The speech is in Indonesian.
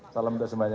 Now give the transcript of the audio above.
salam untuk semuanya